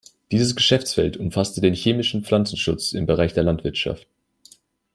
Dieses Geschäftsfeld umfasste den chemischen Pflanzenschutz im Bereich der Landwirtschaft.